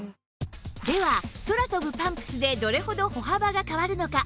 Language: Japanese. では空飛ぶパンプスでどれほど歩幅が変わるのか？